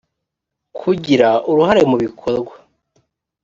kugira uruhare mu bikorwa